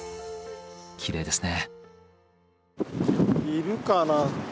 きれいですね。